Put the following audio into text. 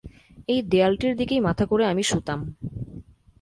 এই দেয়ালটির দিকেই মাথা করে আমি শুতাম।